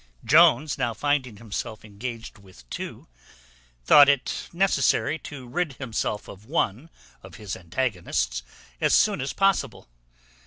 Jones now finding himself engaged with two, thought it necessary to rid himself of one of his antagonists as soon as possible.